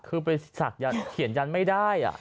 คือไปฉันสักอย่างเขียนยันไม่ได้